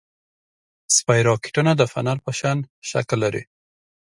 اسپایروکیټونه د فنر په شان شکل لري.